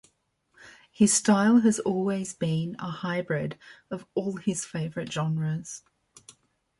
His style has always been a hybrid of all his favorite genres.